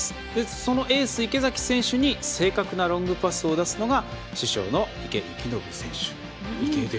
そのエース、池崎選手に正確なロングパスを出すのが主将の池選手。